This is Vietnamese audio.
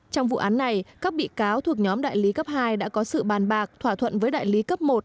trong vụ án này các bị cáo thuộc nhóm đại lý cấp hai đã có sự bàn bạc thỏa thuận với đại lý cấp một